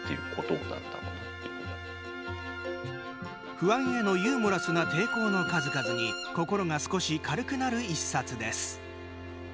不安へのユーモラスな抵抗の数々に心が少し軽くなる１冊です。